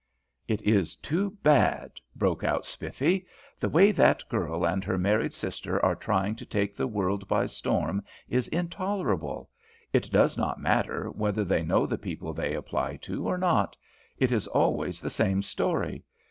"It is too bad!" broke out Spiffy. "The way that girl and her married sister are trying to take the world by storm is intolerable. It does not matter whether they know the people they apply to or not, it is always the same story.